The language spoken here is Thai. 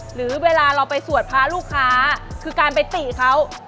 หรือเวลาเราไปสวดพระลูกค้าคือการไปติเขา